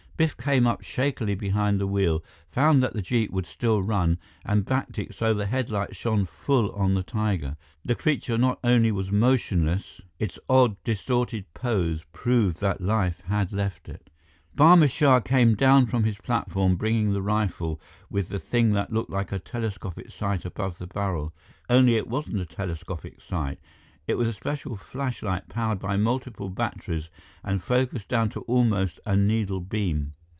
Biff came up shakily behind the wheel, found that the jeep would still run, and backed it so the headlights shone full on the tiger. The creature not only was motionless; its odd, distorted pose proved that life had left it. Barma Shah came down from his platform, bringing the rifle with the thing that looked like a telescopic sight above the barrel. Only it wasn't a telescopic sight; it was a special flashlight powered by multiple batteries and focused down to almost a needle beam.